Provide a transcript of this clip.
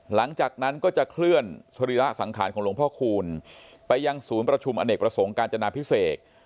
หลังจากนั้นก็จะเคลื่อนสรีระสังขารของหลวงพ่อคูณไปยังศูนย์ประชุมอเนกประสงค์การจนาพิเศษ